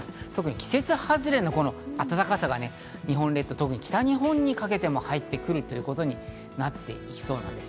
季節外れの暖かさが、特に北日本にかけても入ってくるということになっていきそうです。